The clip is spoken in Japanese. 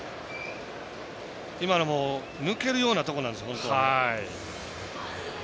今のも抜けるようなところなんです本当は。